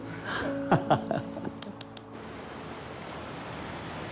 ハハハハ。